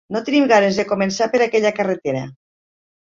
No tenim ganes de començar per aquella carretera.